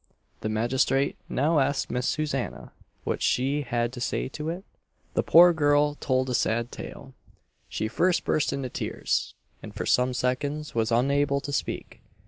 The magistrate now asked Miss Susanna what she had to say to it? The poor girl told a sad tale. She first burst into tears, and for some seconds was unable to speak.